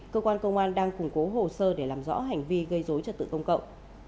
cơ quan công an đang củng cố hồ sơ để làm rõ hành vi gây dối trật tự công cộng